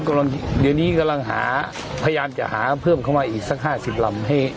ครับผมก๎งดนี้ก๎งหาพยายามจะหาเพิ่มเข้ามาอีกสัก๕๐ลำให้